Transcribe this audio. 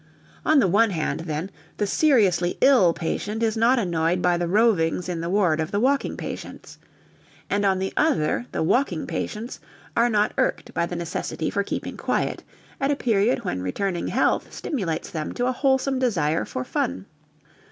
On the one hand, then, the seriously ill patient is not annoyed by the rovings in the ward of the walking patients; and on the other the walking patients are not irked by the necessity for keeping quiet at a period when returning health stimulates them to a wholesome desire for fun.